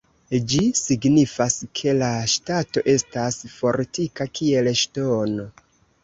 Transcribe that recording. Ĝi signifas, ke la ŝtato estas fortika kiel ŝtono.